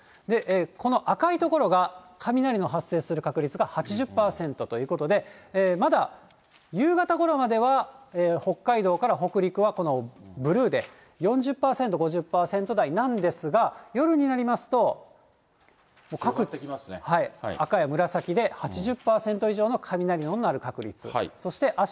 この赤い所が、雷の発生する確率が８０％ということで、まだ夕方ごろまでは、北海道から北陸はこのブルーで４０％、５０％台なんですが、夜になりますと、各地赤や紫で、８０％以上の雷の鳴る確率。